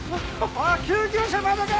おい救急車まだか？